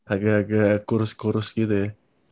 agak agak kurus kurus gitu ya